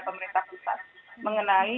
pemerintah pusat mengenai